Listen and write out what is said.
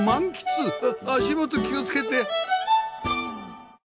足元気をつけて！